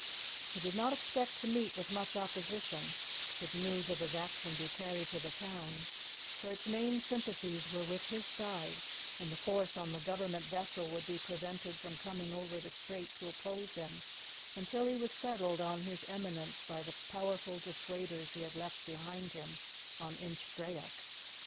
He did not expect to meet with much opposition, should news of his action be carried to the town, for its main sympathies were with his side, and the force on the Government vessel would be prevented from coming over the strait to oppose him until he was settled on his eminence by the powerful dissuaders he had left behind him on Inchbrayock.